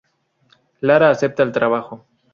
Lara acepta el trabajo.